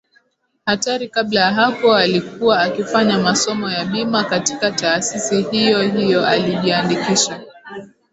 Hatari Kabla ya hapo alikuwa akifanya masomo ya Bima katika Taasisi hiyo hiyo Alijiandikisha